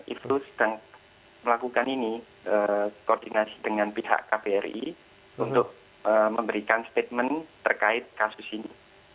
itu sedang melakukan ini koordinasi dengan pihak kbri untuk memberikan statement terkait kasus ini